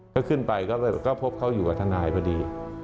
ก็ขึ้นไปก็พบเขาอยู่กับทนายพอดี